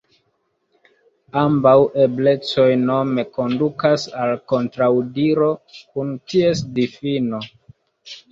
Ambaŭ eblecoj nome kondukas al kontraŭdiro kun ties difino.